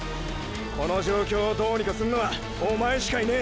この状況をどうにかすんのはおまえしかいねぇ！